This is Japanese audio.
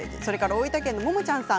大分県の方。